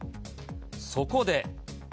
そこで。